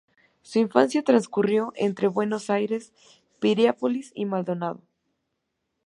Su infancia transcurrió entre Buenos Aires, Piriápolis y Maldonado.